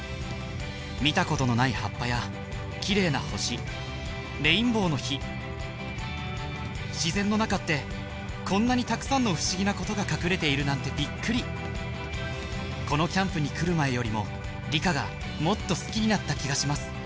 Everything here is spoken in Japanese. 見たことのない葉っぱや綺麗な星レインボーの火自然の中ってこんなにたくさんの不思議なことが隠れているなんてびっくりこのキャンプに来る前よりも理科がもっと好きになった気がします